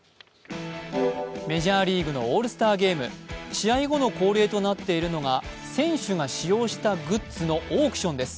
メジャーリーグのオールスターゲーム試合後の恒例となっているのが選手が使用したグッズのオークションです。